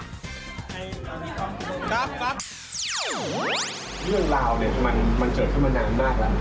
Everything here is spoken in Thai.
เรื่องราวเนี่ยมันเจอขึ้นมานานมากแล้ว